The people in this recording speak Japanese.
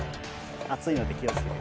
熱いので気をつけて。